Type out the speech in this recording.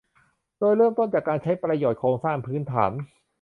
โดยเริ่มต้นจากการใช้ประโยชน์โครงสร้างพื้นฐาน